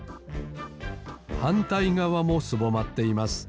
はんたいがわもすぼまっています。